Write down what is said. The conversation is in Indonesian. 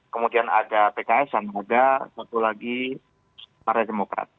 kemudian ada pks dan ada satu lagi partai demokrat